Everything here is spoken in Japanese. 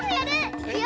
いくよ！